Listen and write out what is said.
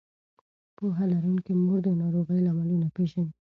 پوهه لرونکې مور د ناروغۍ لاملونه پېژني.